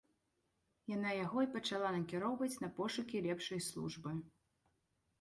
Яна яго і пачала накіроўваць на пошукі лепшай службы.